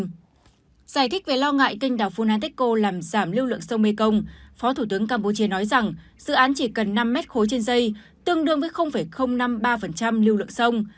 giải thích về lo ngại kênh đảo funteco làm giảm lưu lượng sông mekong phó thủ tướng campuchia nói rằng dự án chỉ cần năm mét khối trên dây tương đương với năm mươi ba lưu lượng sông